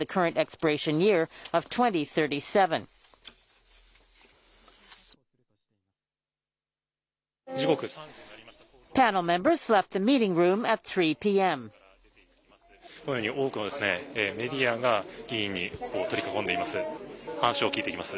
このように多くのメディアが議員を取り囲んでいます。